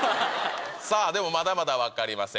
さあ、でもまだまだ分かりません。